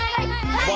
はい！